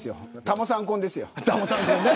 タモさん婚ですよ。